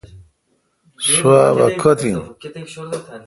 سواب کوتھ این۔